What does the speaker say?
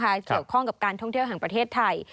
เกี่ยวข้องกับการท่องเที่ยวแห่งประเทศไทย